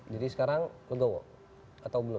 jadi sekarang legowo atau belum